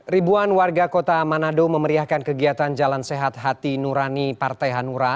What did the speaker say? ribuan warga kota manado memeriahkan kegiatan jalan sehat hati nurani partai hanura